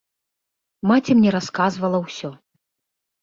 Маці мне расказвала ўсё.